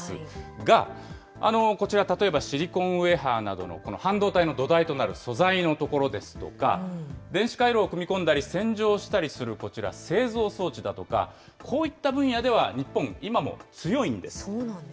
が、こちら例えば、シリコンウエハーなどのこの半導体の土台となる素材のところですとか、電子回路を組み込んだり、洗浄したりするこちら、製造装置だとか、こういった分野では、日本、今も強いんです。